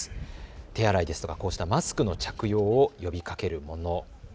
手洗いですとか、こうしたマスクの着用を呼びかけるものも。